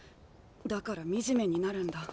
だから惨めになるんだ。